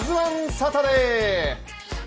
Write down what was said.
サタデー。